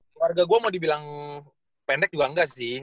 keluarga gue mau dibilang pendek juga enggak sih